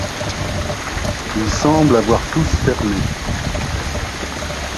Ils semblent avoir tous fermé.